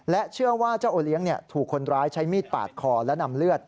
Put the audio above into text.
เชื่อว่าเจ้าโอเลี้ยงถูกคนร้ายใช้มีดปาดคอและนำเลือด